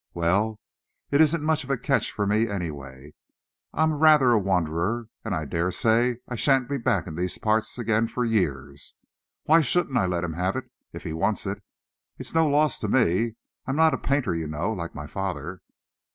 Well, it isn't much of a catch for me, anyway. I'm rather a wanderer, and I dare say I shan't be back in these parts again for years. Why shouldn't I let him have it if he wants it? It's no loss to me. I'm not a painter, you know, like my father."